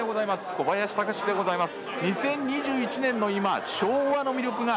小林孝司でございます。